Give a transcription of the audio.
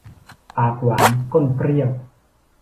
ปากหวานก้นเปรี้ยว